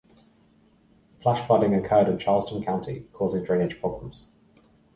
Flash flooding occurred in Charleston County, causing drainage problems.